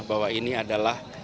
bahwa ini adalah